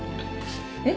えっ？